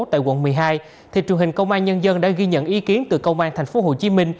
tại quận một mươi hai truyền hình công an nhân dân đã ghi nhận ý kiến từ công an tp hcm